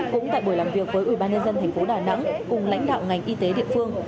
cũng tại buổi làm việc với ubnd tp đà nẵng cùng lãnh đạo ngành y tế địa phương